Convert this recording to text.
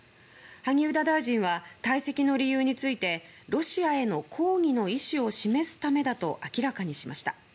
萩生田大臣は退席の理由についてロシアへの抗議の意思を示すためだと明らかにしました。